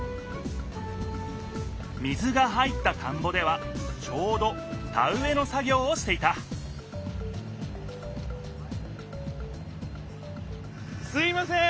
水が入った田んぼではちょうど田うえの作ぎょうをしていたすみません！